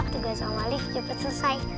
tugas om alif cepat selesai